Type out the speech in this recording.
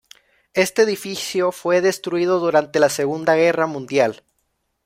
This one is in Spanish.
Este edificio fue destruido durante la Segunda Guerra Mundial.